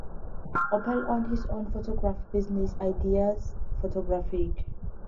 Opel owned his own photography business, Ideas Photographic.